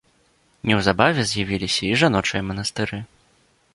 Неўзабаве з'явіліся і жаночыя манастыры.